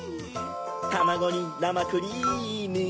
たまごになまクリーム。